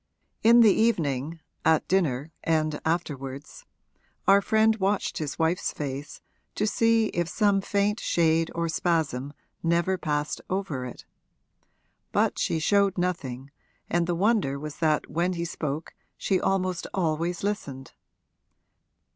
In the evening, at dinner and afterwards, our friend watched his wife's face to see if some faint shade or spasm never passed over it. But she showed nothing, and the wonder was that when he spoke she almost always listened.